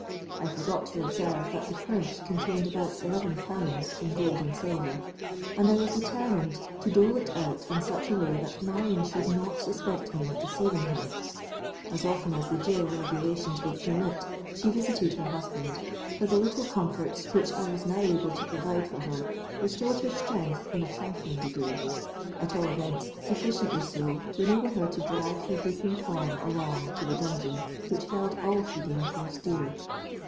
I forgot to observe that the purse contained about eleven pounds in gold and silver; and I was determined to dole it out in such a way that Marion should not suspect me of deceiving her. As often as the gaol regulations would permit, she visited her husband; for the little comforts which I was now able to provide for her, restored her strength in a trifling degree—at all events, sufficiently so to enable her to drag her drooping form along to the dungeon which held all she deemed most dear.